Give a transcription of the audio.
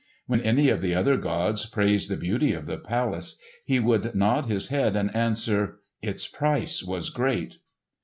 When any of the other gods praised the beauty of the palace, he would nod his head and answer; "Its price was great."